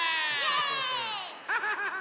ハハハハ！